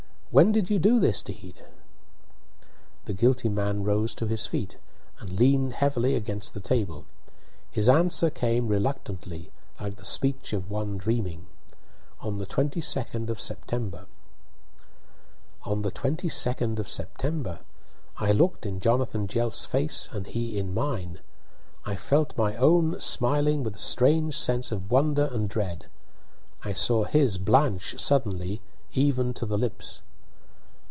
When did you do this deed?" The guilty man rose to his feet, and leaned heavily against the table. His answer came reluctantly, like the speech of one dreaming. "On the 22d of September!" On the 22d of September! I looked in Jonathan Jelf's face, and he in mine. I felt my own smiling with a strange sense of wonder and dread. I saw his blanch suddenly, even to the lips.